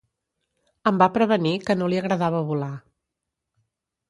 Em va prevenir que no li agradava volar.